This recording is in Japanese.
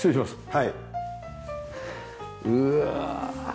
はい。